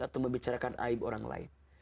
atau membicarakan aib orang lain